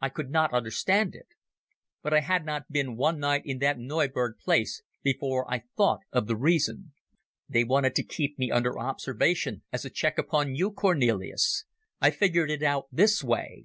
I could not understand it. "But I had not been one night in that Neuburg place before I thought of the reason. They wanted to keep me under observation as a check upon you, Cornelis. I figured it out this way.